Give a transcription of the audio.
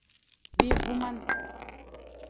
Bi voumane.